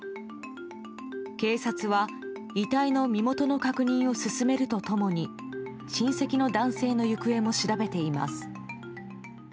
警察は遺体の身元の確認を進めるとともに親戚の男性の行方も調べています。